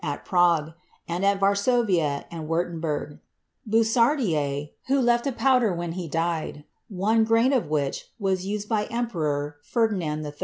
at Prague, and at Varsovia and Wurtemberg; Busardier, who left a powder when he died, one grain of which was used by Emperor Ferdinand III.